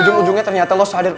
ujung ujungnya ternyata lo sadar